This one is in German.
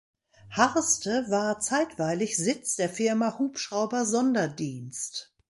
Harste war zeitweilig Sitz der Firma Hubschrauber Sonder Dienst.